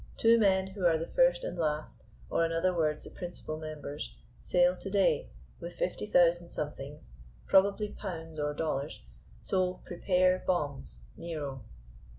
Two men, who are the first and last, or, in other words, the principal members, sail to day with fifty thousand somethings, probably pounds or dollars, so prepare bombs. NERO.